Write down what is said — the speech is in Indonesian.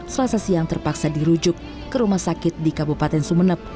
selasa siang terpaksa dirujuk ke rumah sakit di kabupaten sumeneb